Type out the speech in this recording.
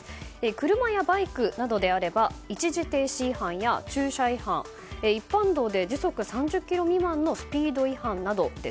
車やバイクなどであれば一時停止違反や駐車違反、一般道で時速が３０キロ未満のスピード違反など。